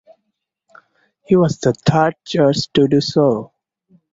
He was the third charge to do so.